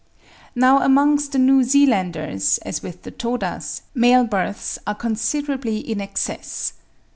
Now amongst the New Zealanders, as with the Todas, male births are considerably in excess.